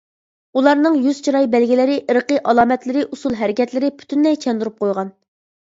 ئۇلارنىڭ يۈز چىراي بەلگىلىرى، ئىرقى ئالامەتلىرى، ئۇسۇل ھەرىكەتلىرى پۈتۈنلەي چاندۇرۇپ قويغان.